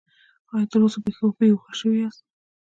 ایا تر اوسه بې هوښه شوي یاست؟